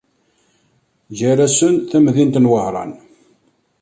Gar-asen tamdint n Wehran.